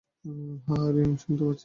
হ্যাঁ রিং শুনতে পাচ্ছেন?